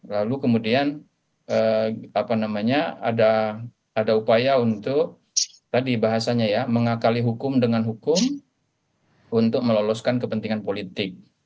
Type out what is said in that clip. lalu kemudian ada upaya untuk tadi bahasanya ya mengakali hukum dengan hukum untuk meloloskan kepentingan politik